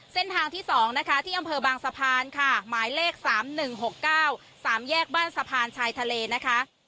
เส้นทางที่สองนะคะที่อำเภอบางสะพานค่ะหมายเลขสามหนึ่งหกเก้าสามแยกบ้านสะพานชายทะเลนะคะ